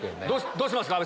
どうしますか？